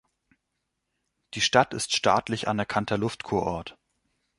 Die Stadt ist staatlich anerkannter Luftkurort.